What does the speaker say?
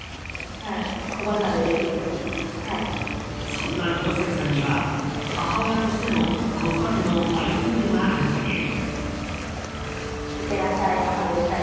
そんな広末さんには母親としての子育てのマイルールがあるという。